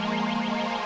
kamu lebih rindu aku